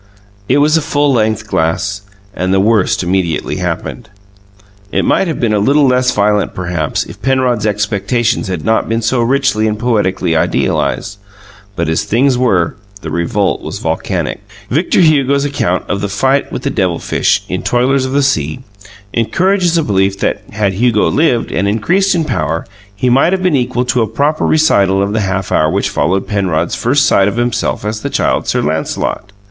It was a full length glass, and the worst immediately happened. It might have been a little less violent, perhaps, if Penrod's expectations had not been so richly and poetically idealized; but as things were, the revolt was volcanic. Victor Hugo's account of the fight with the devil fish, in "Toilers of the Sea," encourages a belief that, had Hugo lived and increased in power, he might have been equal to a proper recital of the half hour which followed Penrod's first sight of himself as the Child Sir Lancelot.